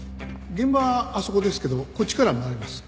現場はあそこですけどこっちから回れます。